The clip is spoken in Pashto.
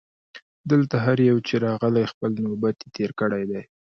دلته هر یو چي راغلی خپل نوبت یې دی تېر کړی